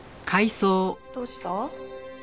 どうした？